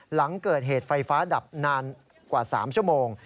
หลังเกิดเหตุไฟฟ้าดับนานกว่า๓ชั่วโมง